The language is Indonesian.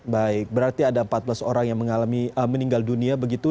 baik berarti ada empat belas orang yang mengalami meninggal dunia begitu